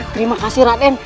terima kasih raden